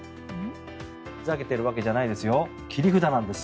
ふざけてるわけじゃないですよ切り札なんです。